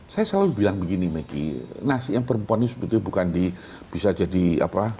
saya selalu bilang begini maggie nasi yang perempuan ini sebetulnya bukan di bisa jadi apa